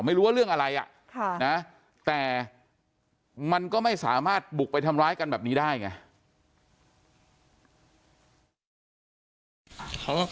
ไม่รู้ว่าเรื่องอะไรอ่ะนะแต่มันก็ไม่สามารถบุกไปทำร้ายกันแบบนี้ได้ไง